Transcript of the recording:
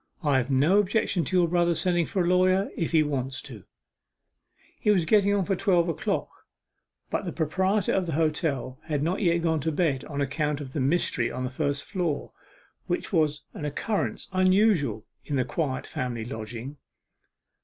'I have no objection to your brother sending for a lawyer, if he wants to.' It was getting on for twelve o'clock, but the proprietor of the hotel had not yet gone to bed on account of the mystery on the first floor, which was an occurrence unusual in the quiet family lodging.